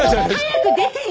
早く出てよ！